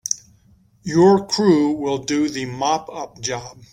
Your crew will do the mop up job.